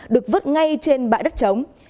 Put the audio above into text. được vứt ngay trên bãi đất trống